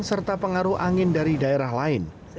serta pengaruh angin dari daerah lain